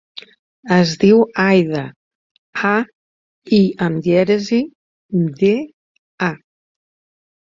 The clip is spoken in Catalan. Es diu Aïda: a, i amb dièresi, de, a.